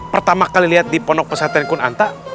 pertama kali lihat di ponok pesantren kun anta